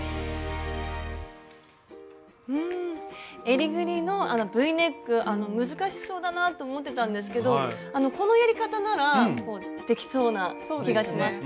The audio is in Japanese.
えりぐりのＶネック難しそうだなと思ってたんですけどこのやり方ならできそうな気がします。